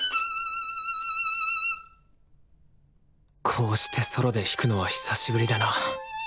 こうしてソロで弾くのは久しぶりだな。